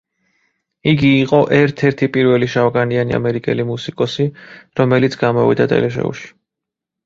იგი იყო ერთ-ერთი პირველი შავკანიანი ამერიკელი მუსიკოსი, რომელიც გამოვიდა ტელეშოუში.